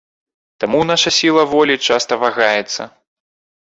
Таму наша сіла волі часта вагаецца.